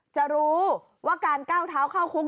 จะรู้ว่าการก้าวเท้าเข้าคุก